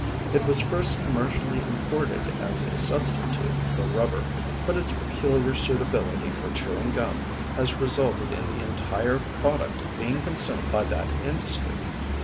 It was first commercially imported as a substitute for rubber, but its peculiar suitability for chewing gum has resulted in the entire product being consumed by that industry.